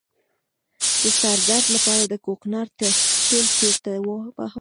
د سر درد لپاره د کوکنارو تېل چیرته ووهم؟